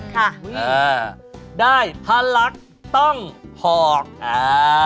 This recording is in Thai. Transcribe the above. ค่ะอ่าได้พระรักต้องพอกอ่า